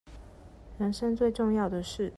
人生最重要的事